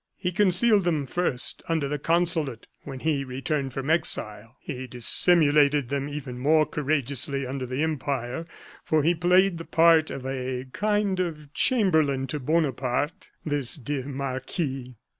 He concealed them, first, under the consulate, when he returned from exile. He dissimulated them even more courageously under the Empire for he played the part of a kind of chamberlain to Bonaparte, this dear marquis.